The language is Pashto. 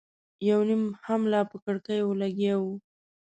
یو نيم هم لا په کړکيو لګیا و.